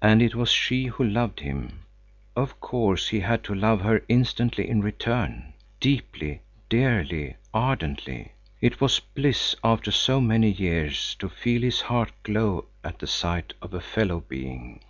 And it was she who loved him. Of course he had to love her instantly in return, deeply, dearly, ardently! It was bliss, after so many years, to feel his heart glow at the sight of a fellow being.